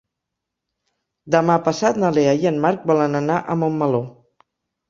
Demà passat na Lea i en Marc volen anar a Montmeló.